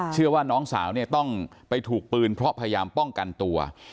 เชื่อว่าน้องสาวเนี่ยต้องไปถูกปืนเพราะพยายามป้องกันตัว